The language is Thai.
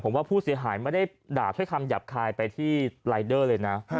ผมว่าผู้เสียหายไม่ได้ด่าเพื่อทำหยับคายไปที่เลยน่ะฮ่า